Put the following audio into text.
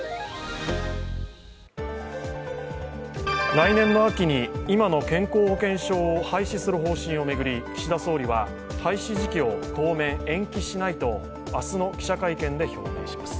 来年の秋に、今の健康保険証を廃止する方針を巡り、岸田総理は廃止時期を当面延期しないと明日の記者会見で表明します。